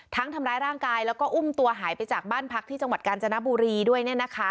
ทำร้ายร่างกายแล้วก็อุ้มตัวหายไปจากบ้านพักที่จังหวัดกาญจนบุรีด้วย